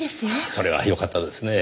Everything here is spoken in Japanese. それはよかったですねぇ。